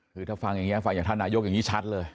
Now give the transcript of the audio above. คือถ้าฟังอย่างนี้ฟังจากท่านนายกอย่างนี้ชัดเลย